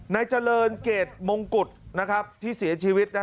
ในเจริญเกรดมงกุฎนะครับที่เสียชีวิตนะ